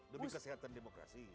demi kesehatan demokrasi